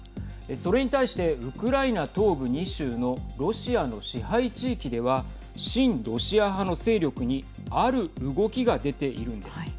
それに対してウクライナ東部２州のロシアの支配地域では親ロシア派の勢力にある動きが出ているんです。